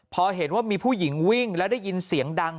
พอเห็นว่ามีผู้หญิงวิ่งแล้วได้ยินเสียงดัง